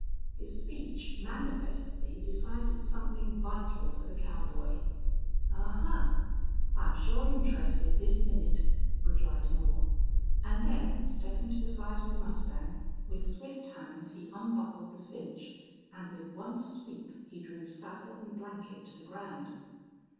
His speech manifestly decided something vital for the cowboy. "Ahuh!... I'm sure interested this minute," replied Moore, and then, stepping to the side of the mustang, with swift hands he unbuckled the cinch, and with one sweep he drew saddle and blanket to the ground.